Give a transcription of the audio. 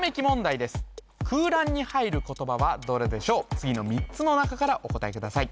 次の３つの中からお答えください